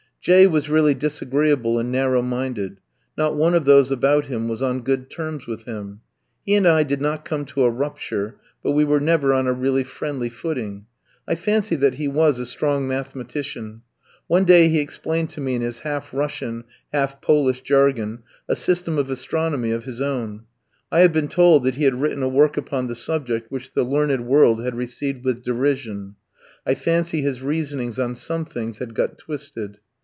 J ski was really disagreeable and narrow minded; not one of those about him was on good terms with him. He and I did not come to a rupture, but we were never on a really friendly footing. I fancy that he was a strong mathematician. One day he explained to me in his half Russian, half Polish jargon, a system of astronomy of his own; I have been told that he had written a work upon the subject which the learned world had received with derision; I fancy his reasonings on some things had got twisted.